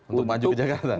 untuk maju ke jakarta